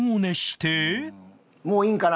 もういいんかな？